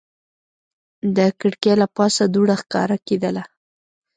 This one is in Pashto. د کړکۍ له پاسه دوړه ښکاره کېده.